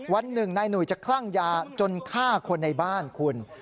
วันหนึ่งนายหนุ่ยจะคลั่งยาจนฆ่าคนในบ้านคุณ